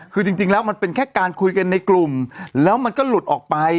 คือจริงแล้วมันเป็นแค่การคุยกันในกลุ่มแล้วมันก็หลุดออกไป